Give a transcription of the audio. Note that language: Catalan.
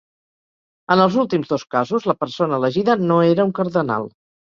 En els últims dos casos, la persona elegida no era un cardenal.